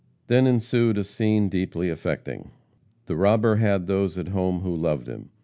Then ensued a scene deeply affecting. The robber had those at home who loved him.